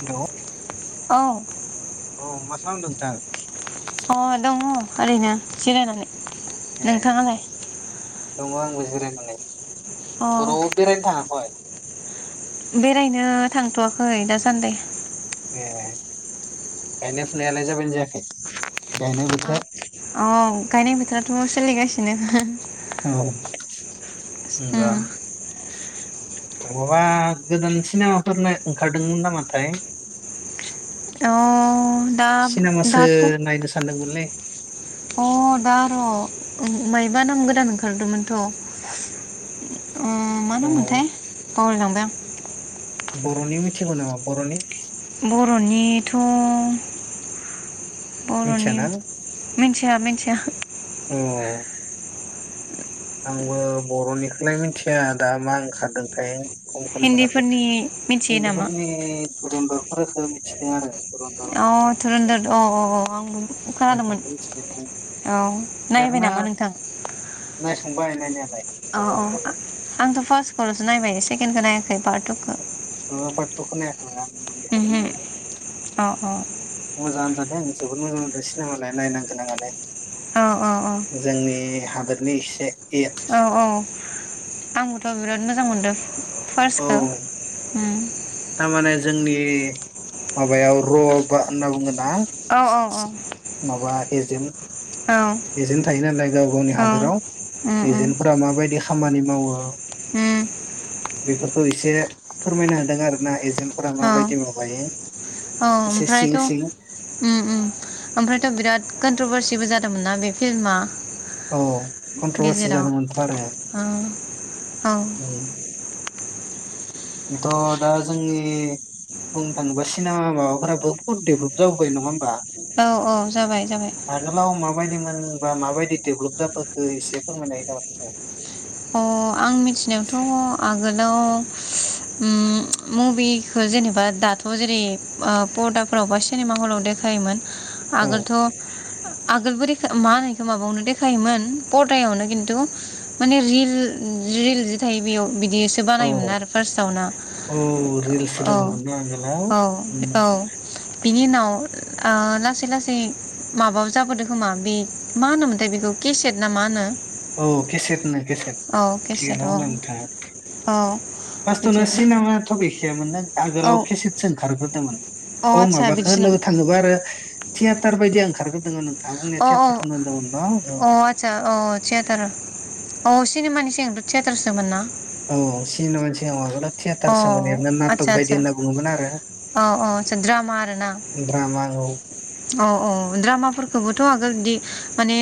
हेल' औ। औ मा [unintelligible] नोथां? अ दङ। ओरैनो जिरायनानै। ए नोंथाङालाय? दङ आंबो जिरायनानै। अ बरावबो बेरायनो थांङाखै? बेरायनो थांथ'वाखै दासान्दै। ए गायनाय फुनायालाय जाबायना जायाखै? गायनाय बोथोर औ गायनाय बोथोराथ' सोलिगासिनो औ होनबा उम मबा गोदान सिनेमाफोरनो ओंखारदोंमोन नामाथाय? अ दा सिनेमासो दाथ' नायनो सानदोंमोनलै अ दा र' मायबा नाम गोदान ओंखारदोंमोनथ'। अ मा अ नाममोनथाय बावलायलांबाय आं। बर'नि मिथिगौ नामा बर'नि? बर'निथ' बर'नि मिथियाना मिथिया मिथिया। औ। आंबो बर'निखौलाय मिथिया दा मा ओंखारदोंथाय खमखौनो मोनाखै हिन्दीफोरनि मिथियो नामा? उन्दैफोरनि [unintelligible] मिथिदों आरो। धुरन्धर औ ओंखारनाय धुरन्धर औ औ औ आंबो खादोंमोन। बेफोरखौ मिथिदों आं औ नायबाय ओरैनो नामा नोंथां? नायखांबाय नायनायालाय। अ औ थेवबो आ-आंथ' फार्स्ट हरावसो नायनाय सेकेण्खौ नायाखै पार्ट थुखो। अ पार्टथुखो नायाखै मोनना, आं मैया हरावनो नायबाय। अह ओद अह जोबोद मोजां मोजां सिनेमालाय नायनोगोनां आलाय औ अ अ हादोरनि इसे औ औ औ फार्स्तखौ उम थारमाने जोंनि माबायाव र बा होनना बुंगोन मा औ औ औ माबा एजेम्ट औ बेजोंनो थायो नालाय गाव गावनि उम हादोराव उम एजेन्टफोरा माबायदि खामानि मावो उम बेफोरखौ एसे फोरमायना होदों आर ना एजेन्टफोरा औ माबायदि माबायो इसे ओमफ्रायथ' सिं सिं उम उम ओमफ्रायथ बिराद कन्ट्रभारसिबो जादोंमोन ना बे फिल्मा औ कन्ट्रभारसि गेजेराव जादोंमोनथ आरो औ औ उम थ' दा जोंनि बुंनो थाङोबा सिनेमा माबाफोराबो बुत डेभलप जाबोबाय नङा होमबा औ अ जाबाय जाबाय बायदि मोनबा माबायदि डेभलप जाबोखो एसे फोरमायनाय हायो नामा ओ अ आं मिथिनायावथ आगोल लाव उम मभिखो जेनेबा दाथ जेरै ओ परदाफोरावबा स सिनेमा हलाव देखायोमोन आगोलथ आगोलबोरै मा होनो इखौ माबायावनो देखायोमोन परदायावनो खिन्थु माने रिल ज्रिल थायो बेयाव बिदिसो औ बानायोमोन आरो फार्स्टआव ना औ रिल्स अ औ दङमोन ना आगोलाव औ औ बिनि उनाव ओ लासै लासै माबा जाबोदों खोमा बे मा होनोमोनथाय बेखौ केसेट ना मा होनो औ केसेट होननो केसेट औ केसेट थिगानो औ बुंदों नोंथाङा औ फार्स्टआवनो बिदि सिनेमाथ गैखायामोन ना औ आगोलाव केसेटसो ओंखारगो बोदोंमोन अ आदसा माबखो बिदिसोना लोगो थाङोबा आरो थियेटार बायदिया ओंखारग्रोदों था बुंनाया अ अ थियेटारखौनो होनदोंमोन न औ थियेतारा औ सिनेमानि सिगांथ थियेटारसोमोन ना। औ सिनिमा [unintelligible] अ आदसा आदसा आरो औ औ आदसा द्रामा आरो ना द्रामा औ औ औ द्रामाफोरखौबोथ' आगोल बिदि माने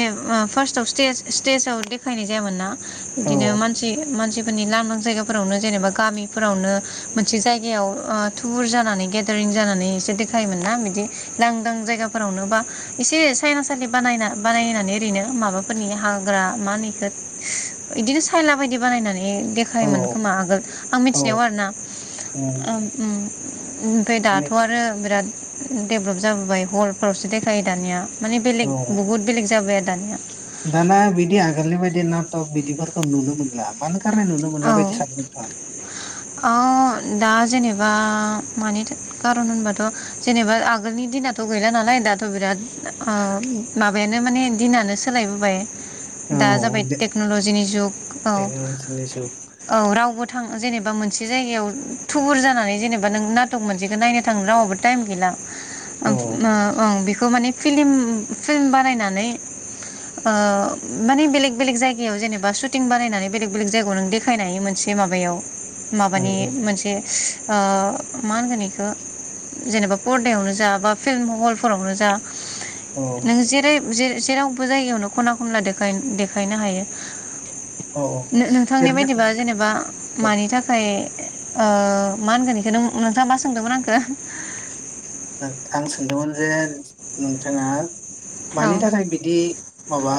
फार्स्टआव स्टेज स्टेजाव देखायनाय जायामोन ना। बिदिनो औ मानसि मानसि नि लांदां जायगाफोरावनो जेनेबा गामि फोरावनो मोनसे जायगायाव थुबुर जानानै गेदारिं जानानै एसे देखायोमोनना बिदि लांदां जायगाफोरावनो बा एसे सायना सालि बानायना बानायनानै ओरैनो माबाफोरनि हाग्रा मा होनो एखो बिदिनो सायना बायदि बानायनानै औ देखायोमोन खोमा आगोल आं मि नेव औ आरोना। औ [inaudible] ओमफ्राय एनै दाथ' आरो बिराद। देभ्लप जाबोबाय हल फोरावसो देखायो दानिया माने बेलेग औ बहुत बेलेग जाबोबाय आरो। दानिया। नाथक बिदिफोरखौ नुनो मोनला मानो खारनै नुनो औ मोनला बायदि सानो नोंथाङा औ दा जेनेबा मानि खारन होनबाथ' जेनेबा आगोलनि दिनाथ' गैला नालाय दाथ' बिराद ओ मा माबायानो माने दिनानो सोलायबोबाय। औ दा जाबाय दे टेक्न'लजिनि जुग औ। टेक्न'लजिनि जुग औ रावबो थां जेने बा मोनसे जायगायाव थुबुर जानानै जेने बा नों नातक मोनसेखौ नायनो थाङो राव टाएम गैला। ओ औ ओं बेखौ माने फिलिम फिल्म बानायनानै ओ माने बेलेग बेलेग जायगायाव जेनेबा शुटिं बारायनानै बेलेक बेलेग जायगा गायाव नों देखायनायनि मोनसे माबायाव माबानि उम, मोनसे ओ मा होनगोन बेखौ जेनेबा परदायावनो जा बा फिल्म हलफोरावनो जा। औ नों जेरै जे जेरावबो जायगायावनो खना खनला देखाय देखायनो हायो। औ नांनि ओरैनो बायदिबा जेनेबा औ मानि थाखाय ओ मा होनगोन बेखौ नोंथाङा मा सोंदोंमोन आंखौ ओ आं सोंदोंमोन जे नोंथाङा औ मानि थाखाय बिदि माबा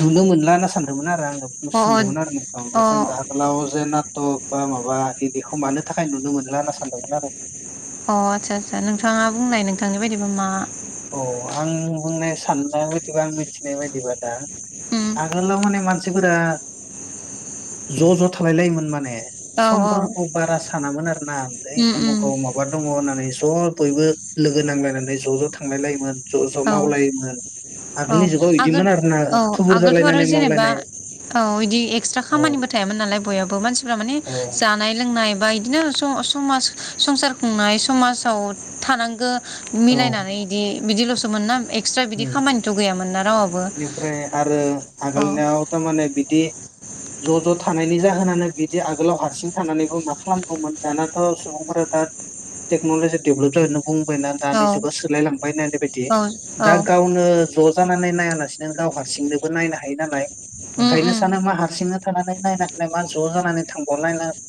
नुनो मोनला होना सानदोंमोन आरो आं अ सोंदोंमोन आरो न अ ओमफ्राय जों द आगोलाव जे नाटक बा माबा बे बेखौ मानो थाखाय नुनो मोना होनना सानदोंमोन आरो अ आदसा आदसा नोंथाङा बुंनाय नोंथांनि बायदि अ आं बुंनाय साननाया बादिबा आं मिथिनाय बायदिबा दा उम आगोल मान मानसिफोरा ज' ज' थालाय लायोमोन माने औ औ समफोरखौ बारा सानामोन आरोना बै उम उम उमुखाव माबा दङ होननानै ज' बयबो लोगो नांलायनानै ज' ज' थांलायलायोमोन औ औ जुगाव आगोल इदिमोन आरोना औ थुबुर आगोलथ' आरो जालायनानै जेनेबा मावलायनाय औ बिदि एक्सट्रा औ खामानिबो थायामोन नालाय बयहाबो मानसिफ माने औ जानाय लोंनाय बा बिदिनो समाज संसार खुंनाय समाजाव थानांगौ औ मिलायनानै बिदि बिदि मोन ना एक्सट्रा बिदि उम खामानिथ' गयामोन बेनिफ्राय आरो औ आगोलनाव थारमाने बिदि ज' ज' थानायनि जाहोनानो बिदि आगोलाव हारसिं थानानैबो मा खालामगौमोन दानाथ' सुबुंफोरा दा टेक्न'लजि डेभलप जाहैनांगौमोन बुंबायना दानि औ जुगाव सोलायलांबाय होननाय बायदि औ औ दा गावनो ज' जानानै लासिनो गाव हारसिंनोबो नायनो हायो नालाय उम ओंखायनो उम सानो मा हारसिंनो थानानै नायना मा ज' जानानै थांबाव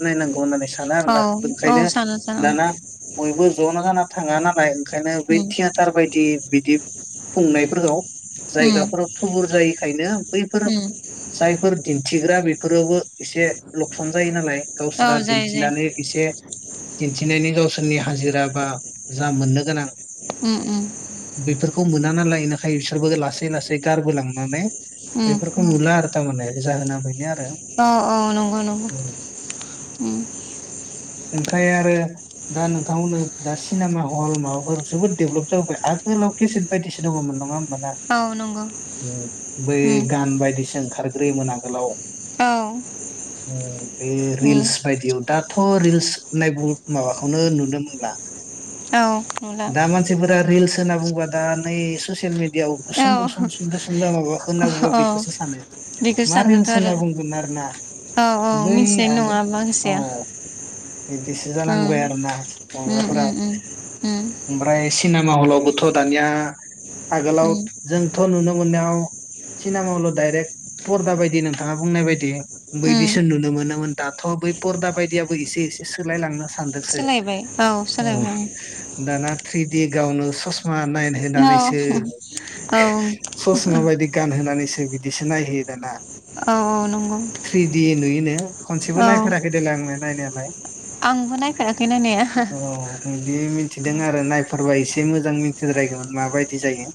नायनांगौ होननानै स औ आरोना औ ओंखायनो सानो सानो दाना बयबो जनो गाना थाङा नालाय ओंखायनो बै उम थियाटार बायदि बिदि खुंनायफोरखौ उम जायगाफोराव थुबुर जायो खायनो बैफोर उम जायफोर दिन्थिग्रा बेफोरावबो एसे लकसन जायो नालाय। औ गावसोरा जायो जायो दिन्थिनानै एसे दिन्थिनायनि गावसोरनि हाजिरा बा जा मोननो गोनां उम उम बेफोर खौ मोना नाालाय इनिखाय बिसोरबो लासै लासै गारबो लांनानै उम बेफोरखौ नुला आरो। थार माने जाहोना बेनो आरो। ओ ओ नंगौ नंगौ उम। ओमफ्राय आरो दा नोंथांमोननो दा सिनेमा हल माबाफोर जोबोद देभलप जाबाय आगोलाव केसेट बायदिसो दङमोन नङा होमबाना औ नंगौ उम बै उम गान बायदिसो ओंखार रैमोन आगोलाव? औ उम बे रिल्स बायदियाव दा थ' रिल्स होननाय बु माबाखौनो नुनो मोनला। नुला औ नंला दा मानसिफोरा रिल्स होनना बुंबा दा नै ससियेल मिडियाआव गुसुं गुसुं औ सुंद' सुंद' माबाखौ होनना बुंबा औ बेखोसो सानो। बेखौसो मा सानगोनथ' रिल्स होनना आरो बुंगोन आरोना। औ औ बै मिथिनाय आ नङा औ माखासेया बिदिसो ओं जालांबाय आरोना उम माबाफोरा। उम उम उम ओमफ्राय सिने मा हलावबोथ' दानिया आगोलाव उम जों थ' नुनो मोननायाव सिनेमा हलाव डाइरेक्ट परदा बायदि नोंथाङा बुंनाय बायदि उम बैदिसो नुनो मोनो मोन। दाथ' बै परदा बायदियाबो एसे एसे सोलायलांनो सानदोंसो। सोलायबाय औ सोलायबाय उम दाना थ्रिदि गावनो सस मा नायनो होना औ बेसो। औ होओ ससमा बायदि गानहोनानैसो बिदिसो नायहोयो दाना। औ औ नंगौ थ्रिडि नुयोनो खनसेबो औ नायफेराखै देलाय आंनो नायनो [unintelligible] आंबो नायफेराखै नायनाया औ बिदि मिथिदों आरो नाय फोरबा एसे मोजां मिथिद्रायगौमोन माबायदि जायो।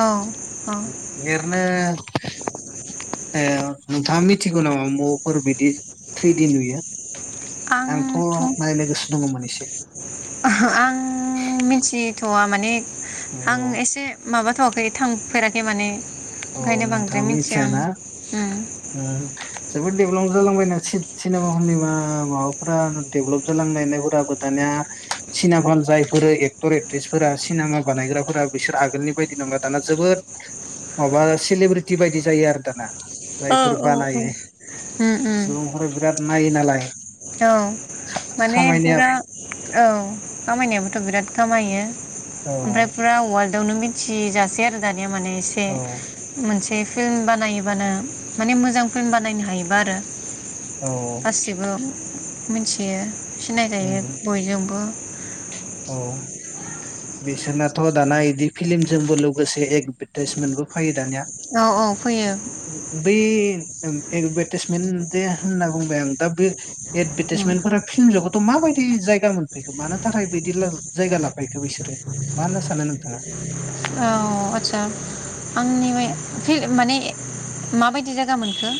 औ औ लिरनो। ए नोंथाङा मिथिगौ नामा मफोर बिदि थैदिन नुयो। आंथ नायनो गोसो दङमोन एसे आं मिथिथवा माने। आं औ एसे माबाथवाखै। थांफेराखै माने। औ ओंखायनो बांद्राय नोंथाङाबो मिथिया आं मिथियाना उम उम जोबोद। डेभेलप जालांबायनो सि सिनेमा हलनि माबाफोरा डेभेलप जालांनाय नायफोरा [inaudible] सिनेमा हल जायफोर एक्टर एक्ट्रिसफोरा सिनेमा बानायग्राफोरा बिसोर आगोलनि बायदि नङला दाना जोबोद। माबा सिलिब्रिटि बायदि जायो आरो दाना। औ जायफोर औ बानायो। उम उम सुबुंफोरा बिराद नायो नालाय। औ माने खामायनाया फुरा औ। खामायनायाबोथ बिराद खामायो। औ ओमफ्राय फुरा औवा [unintelligible] मिथिजासे आरो [inaudible] दानिया माने एसे औ मोनसे। फिल्म बानायोबानो माने मोजां फिल्म बानायनो हायोबा आरो। औ गासिबो। मोनथि। यो औ सिनायजायो बयजोंबो। [inaudible] औ बिसोरना। थ दाना इदि फिलम जोंबो लोगोसे एकभाथाइसमेन बो। फै। दानिया औ औ फैयो बै। एदभारटाइसमेन्ट दे होनना बुंबाय आं दा बे। उम एदभाटाइसमेन्टफोरा फिलम जगथ आव माबायदि जायगा मोन। बिखौ मानो थाखाय। बिदि लाल जायगा लाफैखो बिसोरो मा होनना सानो नोंथाङा। औ आटसा आंनि बे। फिर माने। माबायदि जायगा मोनखो।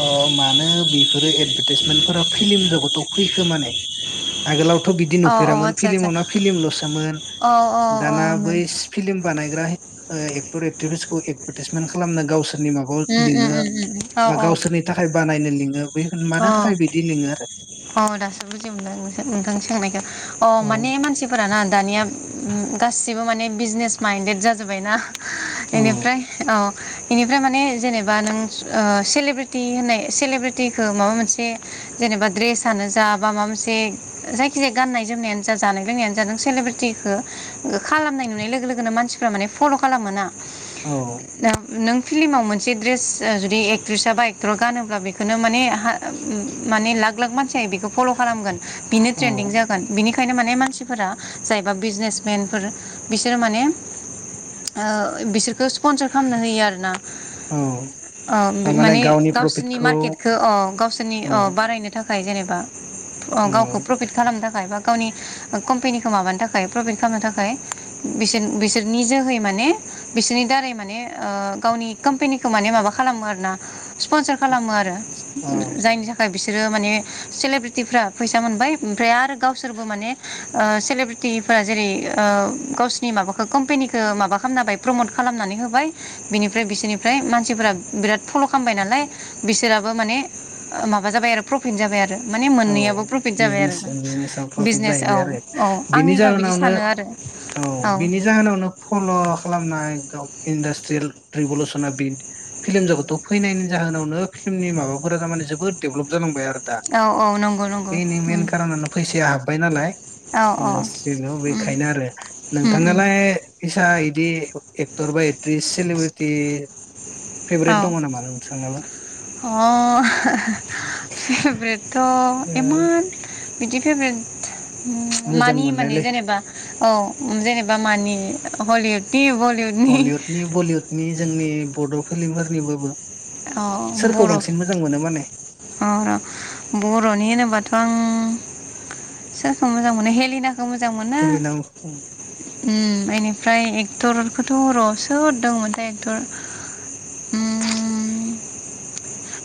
अ मानो बेफोरो एदभाटाइसमेन्टफोरा फिल्म हि जथ फैखो माने। आगोलाव बिदि औ नुेफेरामोन आदसा आदसा फिलिमावना फिलिम लसोमोन औ औ दाना ब उम बैस फिलिम बानाय बेआव हाइ एक्टर एकटिरसखौ एटबातिसमेन खालामनो गावसोर ओम ओम ओम। बा गावसोरनि थाखाय बानायनो लिङो। बे अ मानो थाखाय बिदि लिङो आरो अ दासो बुजिमोनदों नोंथां नोंथांनि सोंनायखौ अ औ माने मानसिफोराना दानिया ओम गासिबो माने बिजनेस माइन्देड जाजोब्बाय ना। एनिफ्राय औ औ । इनिफ्राय माने जेनेबा नों ओ सेलेब्रेटि होननाय सेलेब्रेटि ओ माबा मोनसे जेनेबा द्रेसानो जा बा माबा मोनसे जायखिजाया गाननाय जोमनायानो जा जानाय लोंनायानो जा जों सेलेब्रेटिखो ओ खालामनाय नुनाय लोगो लोगोनो मानसिफ्रा माने फल' खालाम मोना। औ दा नों फ्लिमाव मोनसे ड्रेस जुदि एक्ट्रिस बा एक्टर गानोब्ला बेखौनो माने हा माने लाख लाख मान सियानो बेखौ फल' खालामगोन बेनो ट्रेनदिं औ जागोन बिनि बेनिखायनो माने मानसिफोरा जायबा बिजनेसमेन फोर बिसोर माने ओ बिसोर बिखौ स्पनसार खामनो होयो आरोना औ ओ थारमाने माने गावनि गावसोरनि प्रफिटखौ मार्केटखौ अ। बिसोरनि औ ओ बारायनो थाख खाय जेनेबा। अ औ गावखौ प्रपिट खालामनो थाखाय बा गावनि कम्पेनिखौ माबानो थाखाय प्रफिट खामनो थाखाय बिसोर बिसोरनि जोहै माने बिसोरनि दारै माने ओ गावनि काम्पेनिखौ माने माबा खालामो आरोना। स्पनसार खालामो आरो। औ जायनि थाखाय बिसोरो माने सेलेब्रिटिफ्रा फैसा मोनबाय ओमफ्राय आरो गावसोरबो माने ओ सेलब्रिटिफोरा जेरै ओ गावसिनि माबाखौ कम्पेनिखौ माबा खामना होबाय। प्रमट खालामनानै होबाय बिनिफ्राय बिसोरनि ओमफ्राय मानसिफोरा बिराद फल' खामबाय नालाय बिसोराबो माने ओ माबा जाबाय आरो प्रफिट जाबाय आरो। माने औ मोननैयाबो प्रफिट जाबाय बिजनेस आरो बिजनेसाव प्रफिट बिजनेस औ जाहैबाय आरो औ बिनि आंनिबा बिदि जाहोनावनो सानो आरो औ बिनि जाहोनावनो फल' खालामनाय गाव इन्डासट्रियेल रिभलुसनना बि फिल्म जगथाव फैनायनि जाहोनावनो फिल्मनि माबाफोरा थारमाने जोबोद डेभलप जालांबाय आरो। दा औ औ‌। बेनि मेन कारनानो फैसाया हाबबाय नालाय औ औ इन्डास्ट्रियाव उम बेखायनो आरो उम उम नोंथाङालाय फैसा बिदि एक्टर बा एक्ट्रिस सिलिब्रिटि फेभरेट औ दङ नामा नोंथांनाबो? अ अ एमान बिदि फेभरेट मोजां मानि माने मोननायलाय जेनेबा औ जेनेबा मानि हलिउद हलिउदनि बलिउडनि जोंनि बड' फ्लिमफोरनि बाबो अ बर' माने अ' बर'नि होनोबाथ' आं सोरखौ मोजां मोनो हेलिनाखौ। खौ मोजां मोना हेलिना ओम एनिफ्राय दरदखौथ' र' सोरदोंमोनथाय। थर उम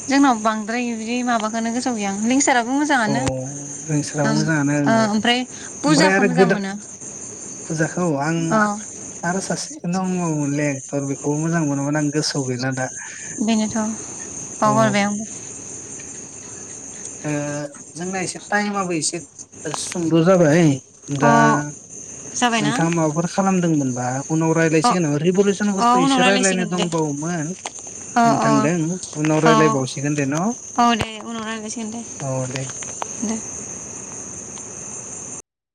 जोंनाव बांद्राय बिदि माबाखौनो गोसाव गैया लिंसाराब औ लिंसाराबो मोजाङानो ओं ओ औ ओमफ्राय ओमफ्राय फुजाखौ आरो मोजां गोदान मोनो फुजाखौ आं अ आरो सासे दङमोनले एक्टर बेखौबो मोजां मोनोमोन आं। गोसोयाव गैला दा दा। बेनोथ' औ बावगारबाय आं। [inaudible] ओ जोंना एसे टाइमाबो एसे सुंद' जाबाय। दा अ जाबायना नोंथाङा माबाफोर खालामदोंमोन। बाब उनाव अ रायज्लायसिगोन अ रिभुलुसनफोरखौ' उनाव एसे रायज्लायनो रायलायसिगोन दे दंबावोमोन अ अ नोंथांदों उनाव रायलायबावसिगोन दे न'। रायलायसिनगोन दे दे।